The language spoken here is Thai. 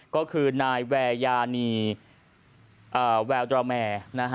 ก็คือนายแววแย่นีแวดราแม่